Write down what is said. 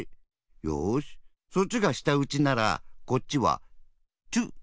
よしそっちがしたうちならこっちはチュッ。